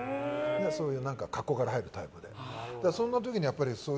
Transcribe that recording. そういう格好から入るタイプで。